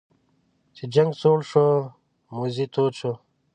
چې جنګ سوړ شو موذي تود شو.